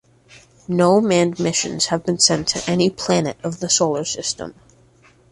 No manned missions have been sent to any planet of the Solar System.